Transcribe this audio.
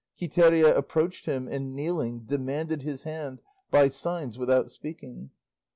Quiteria approached him, and kneeling, demanded his hand by signs without speaking.